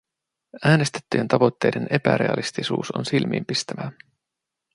Äänestettyjen tavoitteiden epärealistisuus on silmiinpistävää.